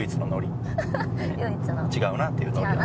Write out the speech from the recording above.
「違うな」っていうノリや。